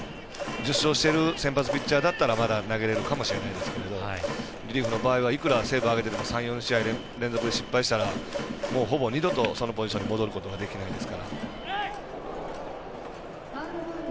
１０勝している先発ピッチャーだったらまだ投げれるかもしれないですがリリーフの場合はいくらセーブあげてても３４試合連続で失敗したらもうほぼ二度とそのポジションに戻ることはできませんから。